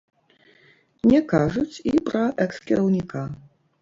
Не кажуць і пра экс-кіраўніка.